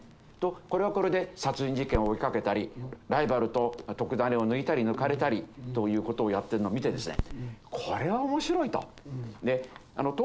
これはこれで殺人事件を追いかけたりライバルと特ダネを抜いたり抜かれたりということをやってるのを見てですね